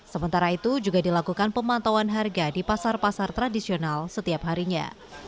sementara itu juga dilakukan pemantauan harga di pasar pasar tradisional setiap harinya